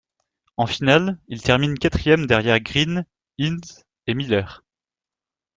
En finale, il termine quatrième derrière Greene, Hines et Miller.